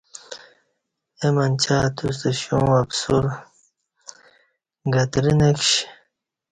اے منچہ توستہ شیو ں اَپ سل گترہ نہ کشی